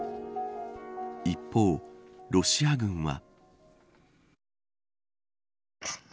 一方、ロシア軍は。